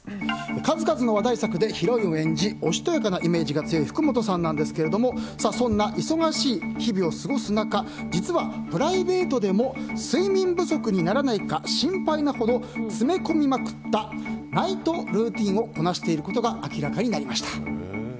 数々の話題作でヒロインを演じおしとやかなイメージが強い福本さんなんですけれどもそんな急がしい日々を過ごす中実は、プライベートでも睡眠不足にならないか心配なほど詰め込みまくったナイトルーティンをこなしていることが明らかになりました。